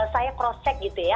saya cross check gitu ya